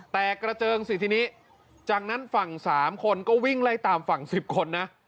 กระเจิงสิทีนี้จากนั้นฝั่ง๓คนก็วิ่งไล่ตามฝั่ง๑๐คนนะ